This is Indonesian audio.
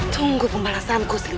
tunggu pembalasan kusimu